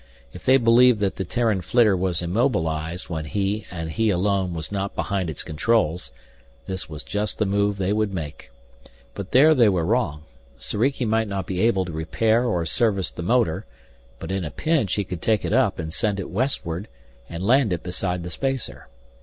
If they believed that the Terran flitter was immobilized when he, and he alone, was not behind its controls, this was just the move they would make. But there they were wrong. Soriki might not be able to repair or service the motor, but in a pinch he could take it up, send it westward, and land it beside the spacer.